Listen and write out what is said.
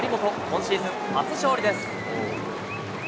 今シーズン初勝利です。